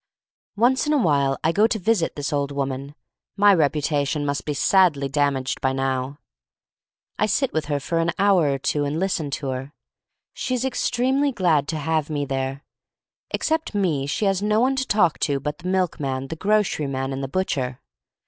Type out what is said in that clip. Once in a while I go to visit this old woman — my reputation must be sadly damaged by now. I sit with her for an hour or two and THE STORY OF MARY MAC LANE 1 47 listen to her. She is extremely glad to have me there. Except me she has no one to talk to but the milkman, the groceryman, and the butcher.